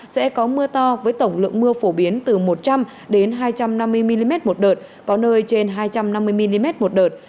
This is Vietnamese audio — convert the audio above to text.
sẽ có mưa to với tổng lượng mưa phổ biến từ một trăm linh hai trăm năm mươi mm một đợt có nơi trên hai trăm năm mươi mm một đợt